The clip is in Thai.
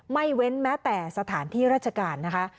เว้นแม้แต่สถานที่ราชการนะคะ